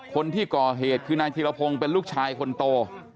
คนที่ก่อเหตุคือนายธีรพงศ์เป็นลูกชายคนโต